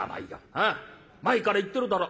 前から言ってるだろ？